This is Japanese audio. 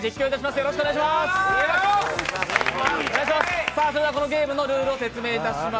よろしくお願いします。